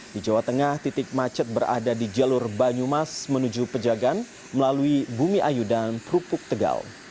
di jawa tengah titik macet berada di jalur banyumas menuju pejagan melalui bumi ayu dan perupuk tegal